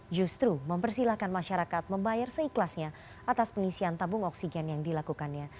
justru mempersilahkan masyarakat membayar seikhlasnya atas pengisian tabung oksigen yang dilakukannya